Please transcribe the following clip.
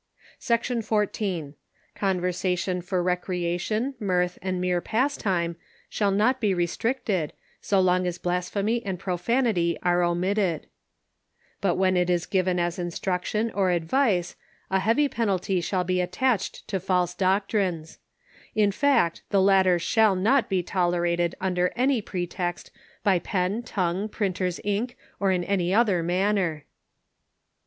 Section XIV. Conversation for recreation, mirth and mere pastime shall not be restricted so long as blasphemy and profanity are omitted ; but when it is given as instruc tion or advice a heavy penalty shall be attached to false doctrines ; in fact, the latter shall not be tolerated under any pretext by pen, tongue, printer's ink, or in any other manner.